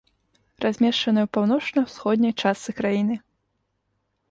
Размешчаная ў паўночна-ўсходняй частцы краіны.